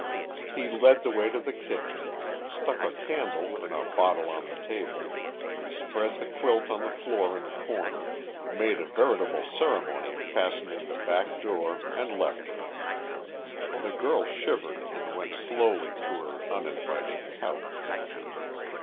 He led the way to the kitchen, stuck a candle in a bottle on the table, spread the quilt on the floor in the corner, made a veritable ceremony of fastening the back door and left her. The girl shivered and went slowly to her uninviting couch.